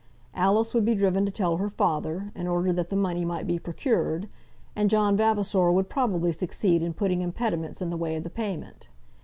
Alice would be driven to tell her father, in order that the money might be procured, and John Vavasor would probably succeed in putting impediments in the way of the payment.